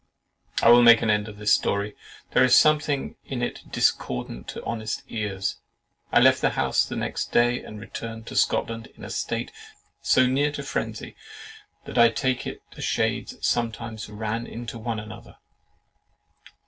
— I will make an end of this story; there is something in it discordant to honest ears. I left the house the next day, and returned to Scotland in a state so near to phrenzy, that I take it the shades sometimes ran into one another.